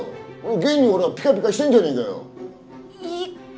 現にほらピカピカしてんじゃねえかよ。言い方！